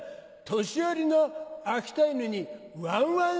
年寄りの秋田犬にワンワン